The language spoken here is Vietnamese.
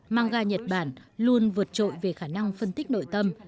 mangga nhật bản luôn vượt trội về khả năng phân tích nội tâm